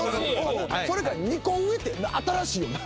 それが２個上って新しいよな。